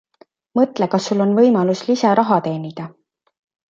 Mõtle, kas Sul on võimalus lisaraha teenida.